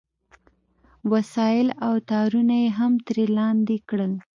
وسایل او تارونه یې هم ترې لاندې کړل